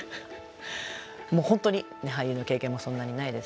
もう本当に俳優の経験もそんなにないですし。